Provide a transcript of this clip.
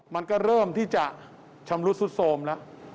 มันก็เริ่มที่จะชำรุดสุดโทรมแล้ว